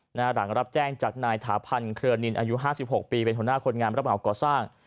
หลังรับแจ้งจากนายถาพันธ์เครือนินอายุ๕๖ปีเป็นหัวหน้าคนงานรับเหมาก่อสร้าง